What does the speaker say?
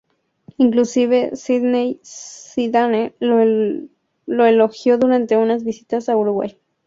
Inclusive Zinedine Zidane lo elogió durante una visita a Uruguay.